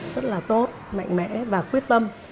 rất là tốt mạnh mẽ và quyết tâm